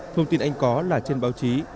thông tin anh có là trên báo chí